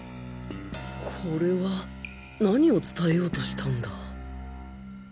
これは何を伝えようとしたんだ？